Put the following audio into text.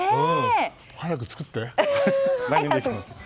早く作って！